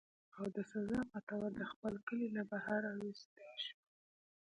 او د سزا پۀ طور د خپل کلي نه بهر اوويستی شو